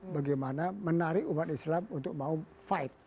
bagaimana menarik umat islam untuk mau fight